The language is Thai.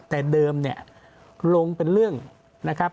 แต่เดิมเนี่ยลงเป็นเรื่องนะครับ